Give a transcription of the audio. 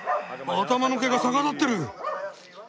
頭の毛が逆立ってる！